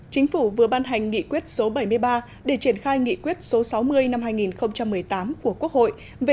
chính phủ vừa ban hành nghị quyết số bảy mươi ba để triển khai nghị quyết số sáu mươi năm hai nghìn một mươi tám của quốc hội